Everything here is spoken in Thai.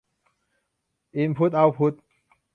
อินพุตเอาต์พุต